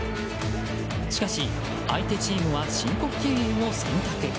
しかし、相手チームは申告敬遠を選択。